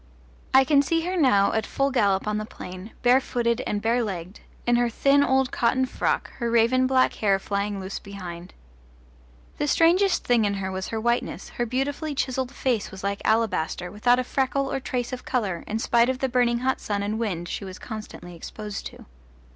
I can see her now at full gallop on the plain, bare footed and bare legged, in her thin old cotton frock, her raven black hair flying loose behind. The strangest thing in her was her whiteness: her beautifully chiselled face was like alabaster, without a freckle or trace of colour in spite of the burning hot sun and wind she was constantly exposed to.